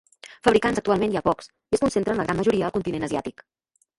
Fabricants actualment hi ha pocs, i es concentren la gran majoria al continent asiàtic.